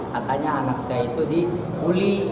katanya anak saya itu dibully